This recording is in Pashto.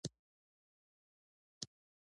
وبه وینئ چې ډېره برخه یې د افریقا سترې صحرا کې ده.